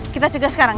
kita cegah sekarang ya